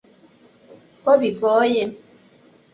Ko bigoye